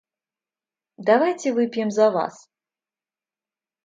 Давайте выпьем за Вас.